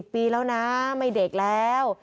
ปีแล้วนะไม่เด็กแล้ว